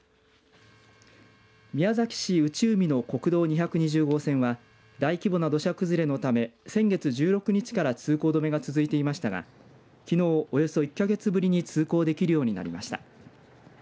宮崎市内海の国道２２０号線は大規模な土砂崩れのため先月１６日から通行止めが続いていましたがきのうおよそ１か月ぶりに通行できるようになりました。